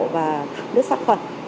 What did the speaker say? và đất sắc phẩm